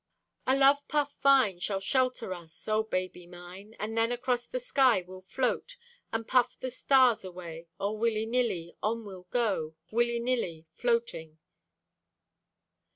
A love puff vine shall shelter us, Oh, baby mine; And then across the sky we'll float And puff the stars away. Oh, willynilly, on we'll go, Willynilly floating.